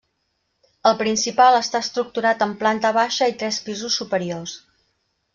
El principal està estructurat en planta baixa i tres pisos superiors.